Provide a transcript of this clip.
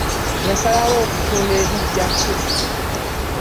Yasalawo okutunda ebinja kye.